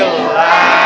allahumma barik wa barik